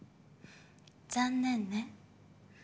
残念ね。